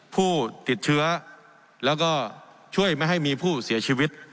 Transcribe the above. ผู้ติดเชื้อแล้วก็ช่วยไม่ให้มีผู้เสียชีวิต